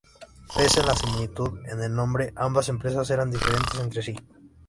Pese a la similitud en el nombre, ambas empresas eran diferentes entre sí.